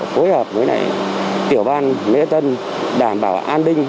phối hợp với tiểu ban nghĩa tân đảm bảo an ninh